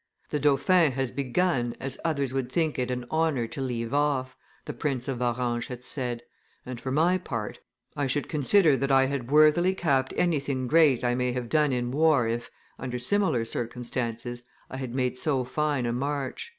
"The dauphin has begun as others would think it an honor to leave off," the Prince of Orange had said, "and, for my part, I should consider that I had worthily capped anything great I may have done in war if, under similar circumstances, I had made so fine a march."